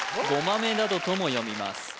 ごまめなどとも読みます